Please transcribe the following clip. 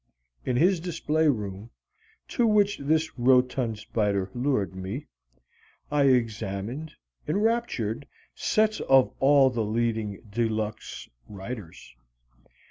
In his display room, to which this rotund spider lured me, I examined, enraptured, sets of all the leading de luxe writers.